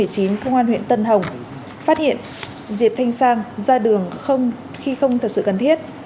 công an huyện tân hồng phát hiện diệp thanh sang ra đường khi không thật sự cần thiết